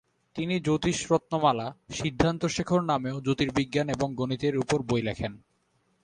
তিনি জ্যোতিষরত্নমালা, সিদ্ধান্তশেখর নামেও জ্যোতির্বিজ্ঞান এবং গণিতের উপর বই লেখেন।